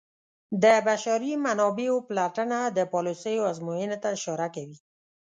د بشري منابعو پلټنه د پالیسیو ازموینې ته اشاره کوي.